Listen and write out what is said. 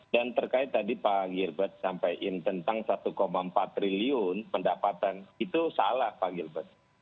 dan terkait tadi pak gilbert sampaikan tentang satu empat triliun pendapatan itu salah pak gilbert